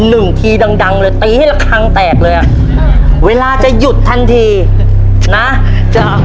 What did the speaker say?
หนึ่งทีดังดังเลยตีให้ละครั้งแตกเลยอ่ะเวลาจะหยุดทันทีนะจะ